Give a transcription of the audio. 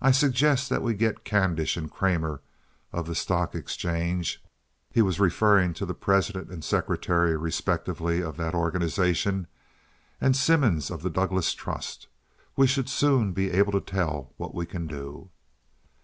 I suggest that we get Candish and Kramer, of the stock exchange" (he was referring to the president and secretary, respectively, of that organization), "and Simmons, of the Douglas Trust. We should soon be able to tell what we can do."